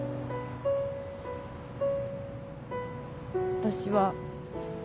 私は。